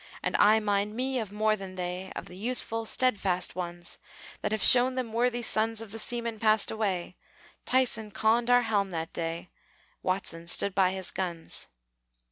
And I mind me of more than they, Of the youthful, steadfast ones, That have shown them worthy sons Of the seamen passed away. Tyson conned our helm that day; Watson stood by his guns.